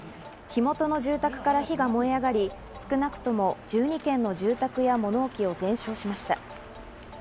火元の住宅から火が燃え広がり、少なくとも１２軒の住宅や物置を全焼しました。